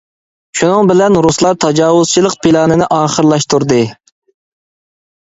شۇنىڭ بىلەن رۇسلار تاجاۋۇزچىلىق پىلانىنى ئاخىرلاشتۇردى.